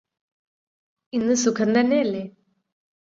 ഇന്ന് സുഖം തന്നെയല്ലേ